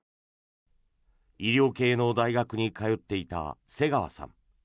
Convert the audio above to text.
医療系の大学に通っていた瀬川さん。